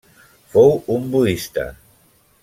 Fou un budista.